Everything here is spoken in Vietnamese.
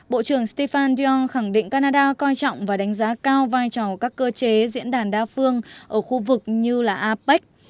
bộ trưởng stefan yung khẳng định canada coi trọng và đánh giá cao vai trò các cơ chế diễn đàn đa phương ở khu vực như apec